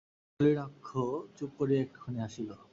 নলিনাক্ষ চুপ করিয়া একটুখানি হাসিল।